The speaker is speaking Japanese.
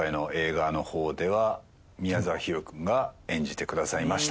宮沢氷魚君が演じてくださいました。